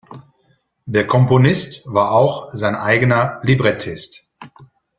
Der Komponist war auch sein eigener Librettist.